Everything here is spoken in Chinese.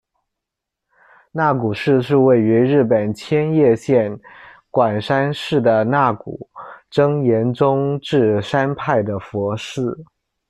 那古寺是位于日本千叶县馆山市的那古，真言宗智山派的佛寺。